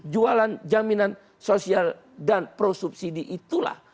jualan jaminan sosial dan prosubsidi itulah